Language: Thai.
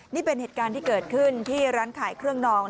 นี่เป็นเหตุการณ์ที่เกิดขึ้นที่ร้านขายเครื่องนอง